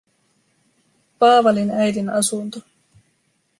Paavalin äidin asunto.